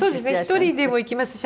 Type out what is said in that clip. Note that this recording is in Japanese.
１人でも行きますし